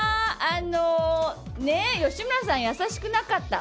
吉村さん、優しくなかった。